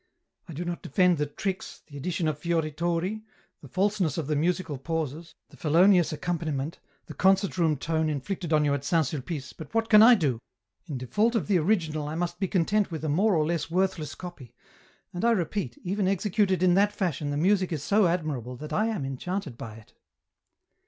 I do not defend the tricks, the addition of fiorituri, the falseness of the musical pauses, the felonious accompaniment, the concert room tone inflicted on you at Saint Sulpice, but what can I do ? in default of the original I must be content with a more or less worthless copy, and I repeat, even executed in that fashion the music is so admirable that I am enchanted by it."